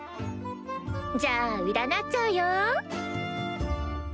じゃあ占っちゃうよ。